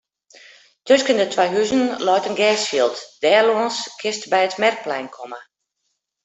Tusken de twa huzen leit in gersfjild; dêrlâns kinst by it merkplein komme.